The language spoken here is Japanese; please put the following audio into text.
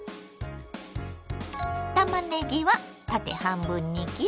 たまねぎは縦半分に切り縦に薄切り。